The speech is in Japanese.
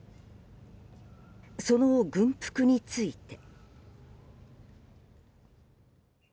その軍服について。